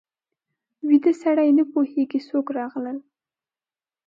ویده سړی نه پوهېږي څوک راغلل